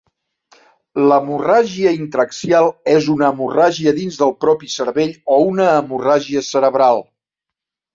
L'hemorràgia intra-axial és una hemorràgia dins del propi cervell o una hemorràgia cerebral.